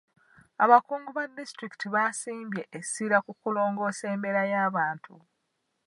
Abakungu ba disitulikiti basimbye essira ku kulongoosa embeera yabantu.